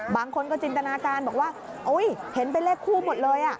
บางคนก็จินตนาการบอกว่าเห็นเป็นเลขคู่หมดเลย